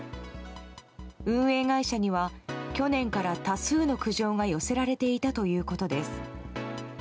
運営会社には去年から多数の苦情が寄せられていたということです。